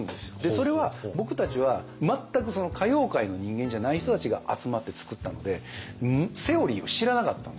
それは僕たちは全く歌謡界の人間じゃない人たちが集まって作ったのでセオリーを知らなかったんですよ。